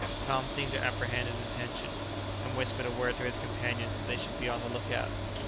Tom seemed to apprehend his intention, and whispered a word to his companions that they should be on the look out.